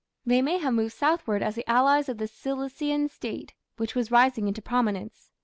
They may have moved southward as the allies of the Cilician State which was rising into prominence.